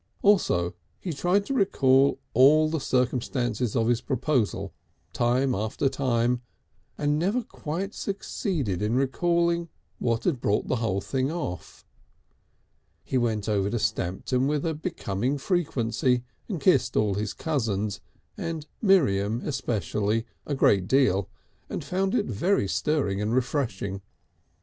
Also he tried to recall all the circumstances of his proposal, time after time, and never quite succeeded in recalling what had brought the thing off. He went over to Stamton with a becoming frequency, and kissed all his cousins, and Miriam especially, a great deal, and found it very stirring and refreshing.